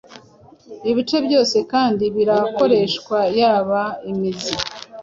ibice byose kandi birakoreshwa yaba imizi,